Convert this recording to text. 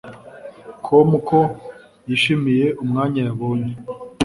com ko yishimiye umwanya yabonye